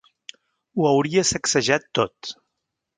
Ho hauria sacsejat tot.